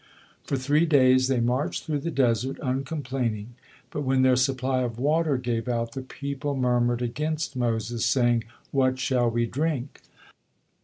For three days they marched through the desert, uncomplaining, but when their supply of water gave out, the people murmured against Moses, saying, "What shall we drink?"